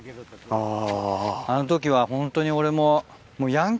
あの時はホントに俺も。